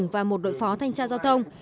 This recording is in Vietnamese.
và một đội phó thanh tra giao thông